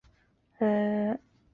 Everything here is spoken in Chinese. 奖项以他的名字命名的事物